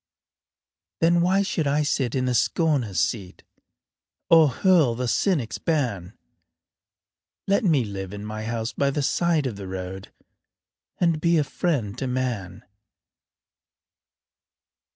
Then why should I sit in the scorner's seat, Or hurl the cynic's ban? Let me live in my house by the side of the road And be a friend to man.